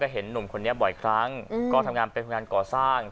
เห็นหนุ่มคนนี้บ่อยครั้งก็ทำงานเป็นคนงานก่อสร้าง